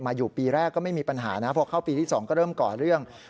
อยู่ปีแรกก็ไม่มีปัญหานะพอเข้าปีที่๒ก็เริ่มก่อเรื่อง